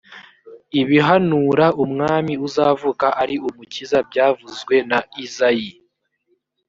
ibihanura umwami uzavuka ari umukiza byavuzwe na izayi